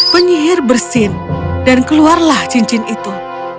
penyihir bersin dan keluarlah cincin itu